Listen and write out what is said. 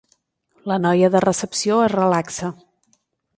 La noia de recepció es relaxa.